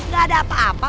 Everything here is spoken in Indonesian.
gak ada apa apa